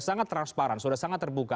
sangat transparan sudah sangat terbuka